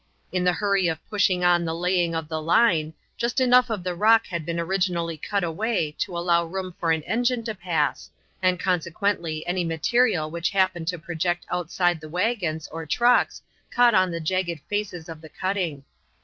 In the hurry of pushing on the laying of the line, just enough of the rock had originally been cut away to allow room for an engine to pass, and consequently any material which happened to, project outside the wagons or trucks caught on the jagged faces of the cutting.